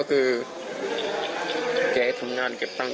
เกรจะให้ทำงานเก็บตัง